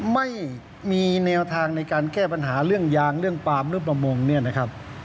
ไม่มีแนวทางในการแก้ปัญหาเรื่องยางเรื่องปาล์มหรือประมงเนี่ยนะครับ